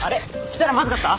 来たらまずかった？